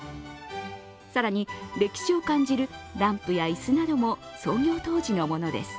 更に、歴史を感じるランプや椅子なども創業当時のものです。